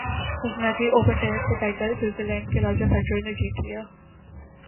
Cincinnati open tennis کا title Switzerland کے Roger Federer نے جیت لیا